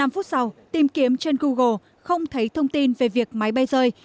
năm phút sau tìm kiếm trên google không thấy thông tin về việc máy bay rơi